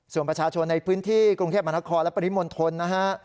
ส่วนประชาชนในพื้นที่กรุงเทพมหานครและปริมณฑลนะฮะ